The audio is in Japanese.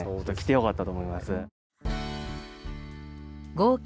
合計